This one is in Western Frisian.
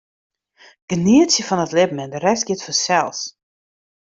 Genietsje fan it libben en de rest giet fansels.